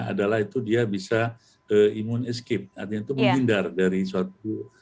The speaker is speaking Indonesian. adalah itu dia bisa imun escape artinya itu menghindar dari suatu